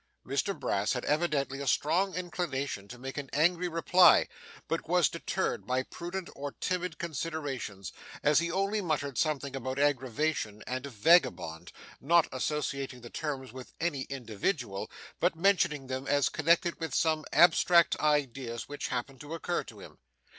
Mr Brass had evidently a strong inclination to make an angry reply, but was deterred by prudent or timid considerations, as he only muttered something about aggravation and a vagabond; not associating the terms with any individual, but mentioning them as connected with some abstract ideas which happened to occur to him.